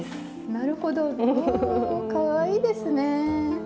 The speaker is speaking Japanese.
なるほど！おかわいいですね！